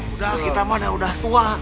udah kita mana udah tua